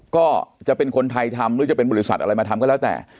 ก็จะเป็นคนไทยทำหรือจะเป็นบริษัทอะไรมาทำก็แล้วแต่